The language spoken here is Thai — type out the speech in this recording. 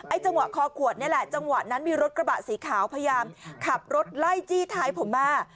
จังหวะคอขวดนี่แหละจังหวะนั้นมีรถกระบะสีขาวพยายามขับรถไล่จี้ท้ายผมมา